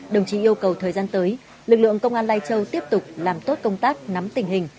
đồng chí yêu cầu thời gian tới lực lượng công an lai châu tiếp tục làm tốt công tác nắm tình hình